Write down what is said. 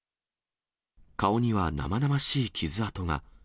顔には生々しい傷痕が。